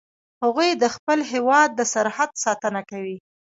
هغوی د خپل هیواد د سرحد ساتنه کوي